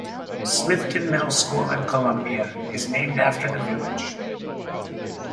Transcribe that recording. Smithton Middle School in Columbia is named after the village.